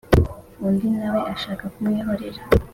undi na we ashaka kumwihorera